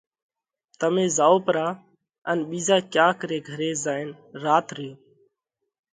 تمي زائو پرا ان ٻِيزا ڪياڪ ري گھري زائينَ رات ريو۔